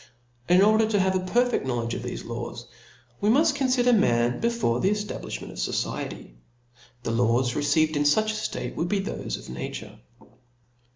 In order to have a perfeft knowledge of thefc laws, we muft confider man before the eftablifli ment of fociety : the laws received in fuch a ftate would be thofe of nature.